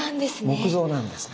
木造なんですね。